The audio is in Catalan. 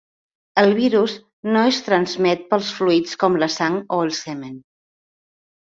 El virus no es transmet pels fluids com la sang o el semen.